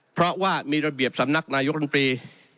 เพราะว่ามีระเบียบสำนักนายกรรมตรี